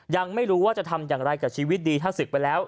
ยังไม่รู้ว่าจะทำอย่างไรกับชีวิตดีถ้าศึกไปแล้ว